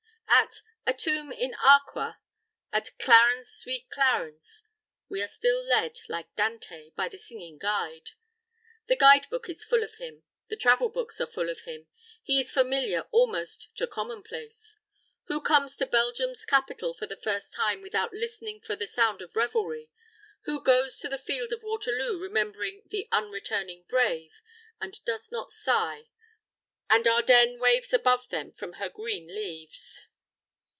At "a tomb in Arqua," at "Clarens, sweet Clarens," we are still led, like Dante, by the singing guide. The Guide book is full of him. The travel books are full of him. He is familiar almost to commonplace. Who comes to "Belgium's capital" for the first time without listening for "the sound of revelry"? Who goes to the field of Waterloo remembering "the unreturning brave," and does not sigh, "And Ardennes waves above them her green leaves."